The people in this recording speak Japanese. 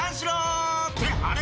ってあれ？